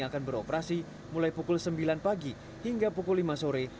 yang akan beroperasi mulai pukul sembilan pagi hingga pukul lima sore